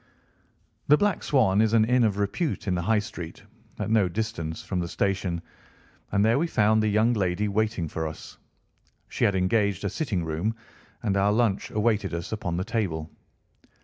The Black Swan is an inn of repute in the High Street, at no distance from the station, and there we found the young lady waiting for us. She had engaged a sitting room, and our lunch awaited us upon the table.